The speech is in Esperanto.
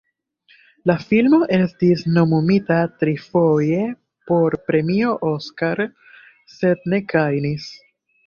La filmo estis nomumita trifoje por Premio Oskar, sed ne gajnis.